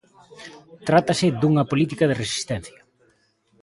Trátase dunha política de resistencia.